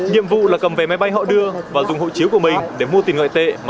nhiệm vụ là cầm về máy bay họ đưa và dùng hộ chiếu của mình để mua tiền ngoại tệ